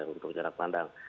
untuk jarak pandang